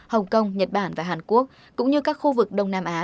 hồng kông nhật bản và hàn quốc cũng như các khu vực đông nam á